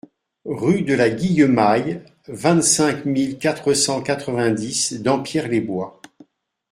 Rue de la Guillemaille, vingt-cinq mille quatre cent quatre-vingt-dix Dampierre-les-Bois